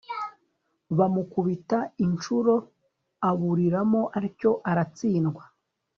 bamukubita incuro, aburiramo atyo, aratsindwa